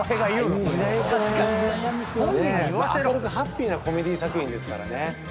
明るくハッピーなコメディー作品ですからね。